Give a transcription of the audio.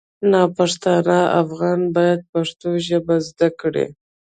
ناپښتانه افغانان باید پښتو ژبه زده کړي